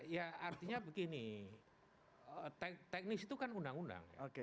ya artinya begini teknis itu kan undang undang